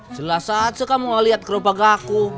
jelas aja kamu gak liat kerobak aku